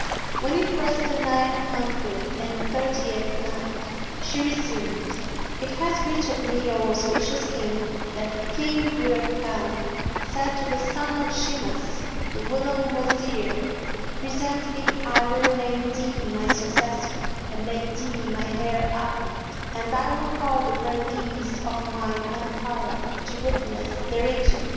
When it was the Nine Hundred and Thirtieth Night, She resumed: It hath reached me, O auspicious King, that King Wird Khan said to the son of Shimas the whilome Wazir, "Presently I will name thee my successor and make thee my heir apparent, and I will call the Grandees of mine Empire to witness thereto."